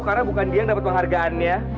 karena bukan dia yang dapat penghargaannya